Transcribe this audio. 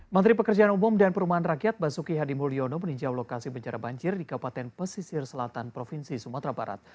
menteri pekerjaan umum dan perumahan rakyat basuki hadi mulyono meninjau lokasi bencana banjir di kabupaten pesisir selatan provinsi sumatera barat